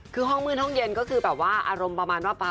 คือห้องมืดห้องเย็นก็คือแบบว่าอารมณ์ประมาณว่าป๊า